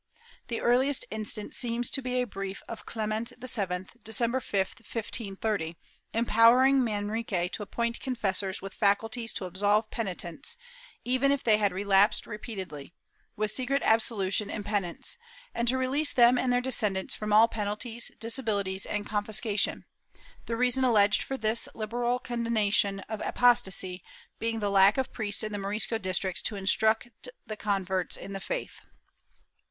The earliest instance seems to be a brief of Clement VII, December 5, 1530, empowering Manrique to appoint confessors with faculties to absolve penitents, even if they had relapsed repeatedly, with secret absolution and penance, and to release them and their descendants from all penalties, disabilities and confiscation, the reason alleged for this liberal condonation of apostasy being the lack of priests in the Morisco districts to instruct the converts in the faith.